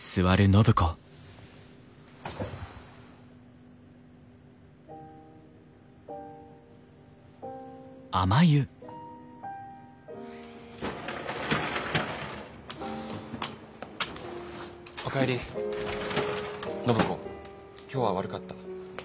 暢子今日は悪かった。